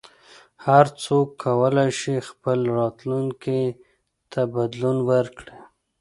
هر څوک کولای شي خپل راتلونکي ته بدلون ورکړي.